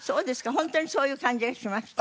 ホントにそういう感じがしました。